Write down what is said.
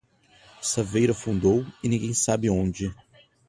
O saveiro afundou e ninguém sabe onde.